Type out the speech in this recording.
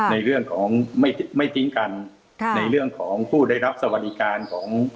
ในเรื่องของไม่ทิ้งกันในเรื่องของผู้ได้รับสวัสดิการของ